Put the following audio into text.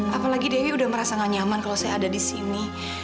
apalagi dewi udah merasa gak nyaman kalau saya ada di sini